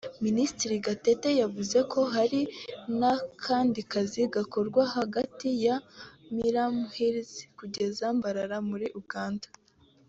Minisitiri Gatete yavuze ko hari n’akandi kazi gakorwa hagati ya Mirama Hills kugera Mbarara muri Uganda